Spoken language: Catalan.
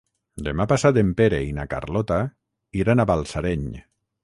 Demà passat en Pere i na Carlota iran a Balsareny.